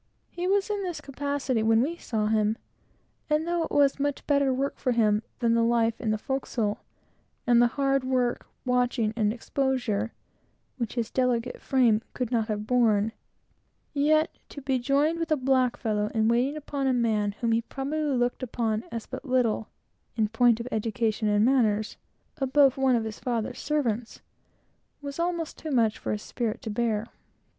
He was in this capacity when we saw him; and though it was much better for him than the life in the forecastle, and the hard work, watching, and exposure, which his delicate frame could not have borne, yet, to be joined with a black fellow in waiting upon a man whom he probably looked upon as but little, in point of education and manners, above one of his father's servants, was almost too much for his spirit to bear.